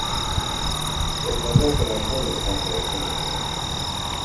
Oǩadape ixeney hako oxorepe!